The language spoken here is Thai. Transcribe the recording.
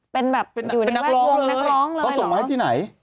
เป็นแบบอยู่ในว่างนักร้องเลยเหรอเขาส่งมาให้ที่ไหน